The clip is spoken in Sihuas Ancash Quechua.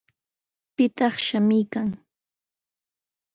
¿Pitaq shamuykan?